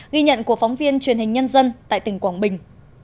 ghi nhận của phóng viên truyền hình nhân dân tại tỉnh quảng bình